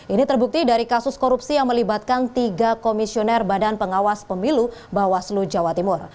ini terbukti dari kasus korupsi yang melibatkan tiga komisioner badan pengawas pemilu bawaslu jawa timur